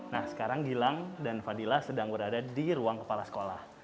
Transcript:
nah sekarang gilang dan fadila sedang berada di ruang kepala sekolah